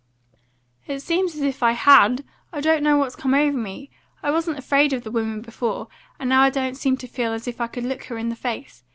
"It seems as if I HAD. I don't know what's come over me. I wasn't afraid of the woman before, but now I don't seem to feel as if I could look her in the face.